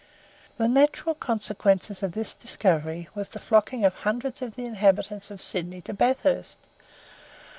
The natural consequences of this discovery was the flocking of hundreds of the inhabitants of Sydney to Bathurst.